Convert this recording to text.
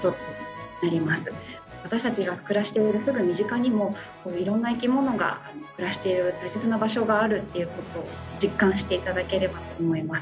私たちが暮らしているすぐ身近にも色んな生き物が暮らしている大切な場所があるという事を実感して頂ければと思います。